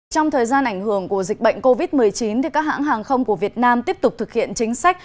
trong thời gian ảnh hưởng của dịch bệnh covid một mươi chín các hãng hàng không của việt nam tiếp tục thực hiện chính sách